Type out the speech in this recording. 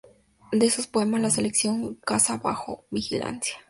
De esos poemas, la selección "Casa bajo vigilancia".